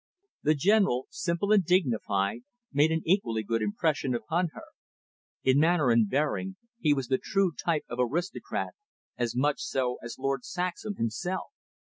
The General, simple and dignified, made an equally good impression upon her. In manner and bearing he was the true type of aristocrat, as much so as Lord Saxham himself.